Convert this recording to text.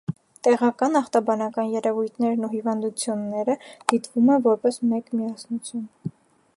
Տեղական ախտաբանական երևույթներն ու հիվանդությունները դիտվում են որպես մեկ միասնություն։